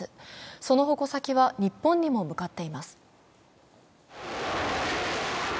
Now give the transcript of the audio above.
その矛先は日本にも向かっています。